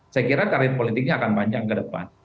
saya kira karir politiknya akan panjang ke depan